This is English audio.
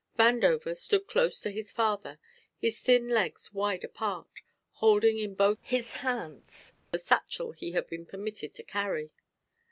Vandover stood close to his father, his thin legs wide apart, holding in both his hands the satchel he had been permitted to carry.